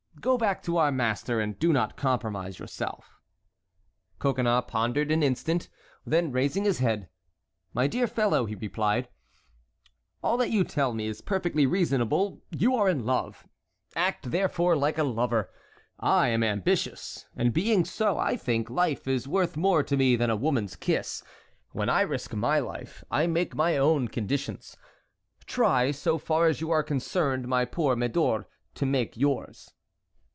Go back to our master and do not compromise yourself." Coconnas pondered an instant. Then raising his head: "My dear fellow," he replied, "all that you tell me is perfectly reasonable; you are in love—act, therefore, like a lover. I am ambitious, and being so, I think life is worth more to me than a woman's kiss. When I risk my life, I make my own conditions. Try, so far as you are concerned, my poor Medor, to make yours."